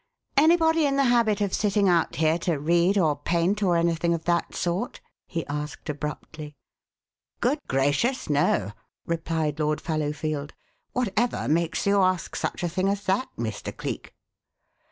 "Anybody in the habit of sitting out here to read or paint or anything of that sort?" he asked abruptly. "Good gracious, no!" replied Lord Fallowfield. "Whatever makes you ask such a thing as that, Mr. Cleek?"